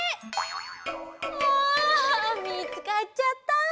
ああみつかっちゃった。